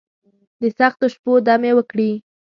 دسختو شپو، دمې وکړي